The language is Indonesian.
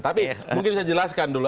tapi mungkin bisa dijelaskan dulu